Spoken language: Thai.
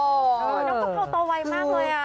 น้องกระเภาโตวัยมากเลยอ่ะ